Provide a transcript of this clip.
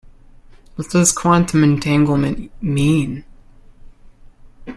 What does Quantum entanglement mean?